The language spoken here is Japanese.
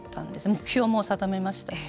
目標も定めましたし。